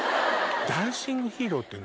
ダンシングヒーローって。